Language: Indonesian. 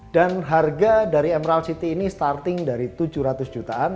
dan harga dari emerald city ini starting dari tujuh ratus jutaan